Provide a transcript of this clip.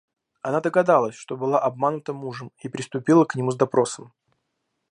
Она догадалась, что была обманута мужем, и приступила к нему с допросом.